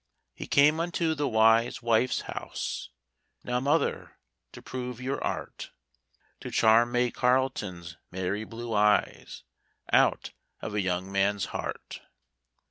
He came unto the wise wife's house: 'Now, Mother, to prove your art; To charm May Carleton's merry blue eyes Out of a young man's heart.'